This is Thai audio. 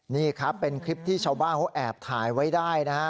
นี่ครับเป็นคลิปที่ชาวบ้านเขาแอบถ่ายไว้ได้นะฮะ